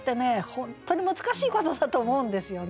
本当に難しいことだと思うんですよね。